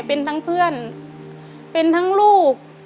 เป็นทั้งเพื่อนเป็นทั้งลูก